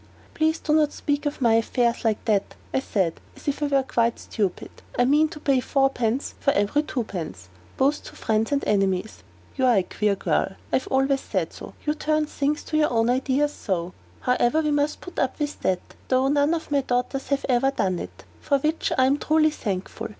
"Please not to speak of my affairs like that," I said, as if I were quite stupid; "I mean to pay fourpence for every twopence both to friends and enemies." "You are a queer girl; I have always said so. You turn things to your own ideas so. However, we must put up with that, though none of my daughters have ever done it; for which I am truly thankful.